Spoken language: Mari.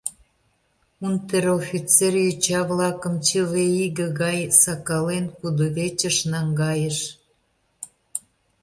Унтер-офицер йоча-влакым, чыве иге гай сакален, кудывечыш наҥгайыш.